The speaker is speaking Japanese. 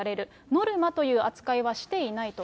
ノルマという扱いはしていないと。